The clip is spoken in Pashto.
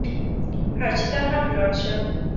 حج ته هم لاړ شه.